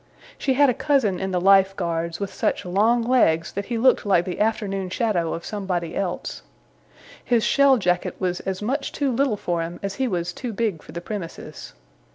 She had a cousin in the Life Guards, with such long legs that he looked like the afternoon shadow of somebody else. His shell jacket was as much too little for him as he was too big for the premises.